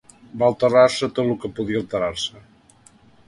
Va alterar-se tot lo que podia alterar-se.